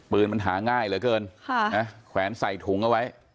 ปืนมันหาง่ายเหลือเกินค่ะนะแขวนใส่ถุงเอาไว้